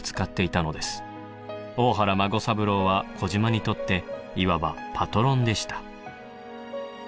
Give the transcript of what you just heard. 大原孫三郎は児島にとっていわばパトロンでした。